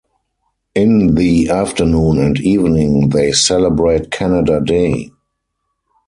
In the afternoon and evening they celebrate Canada Day.